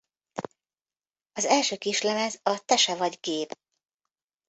Az első kislemez a Te se vagy gép!